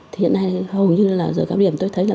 thì hiện nay hầu như là giờ cao điểm tôi thấy là